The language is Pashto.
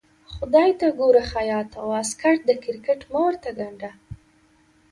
خدای ته ګوره خياطه واسکټ د کرکټ مه ورته ګنډه.